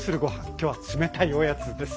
今日は冷たいおやつです。